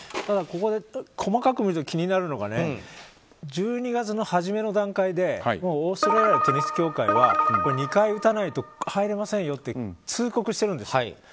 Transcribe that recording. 細かく見ると気になるのが１２月の初めの段階でオーストラリアのテニス協会は２回打たないと入れませんよと通告してるんです。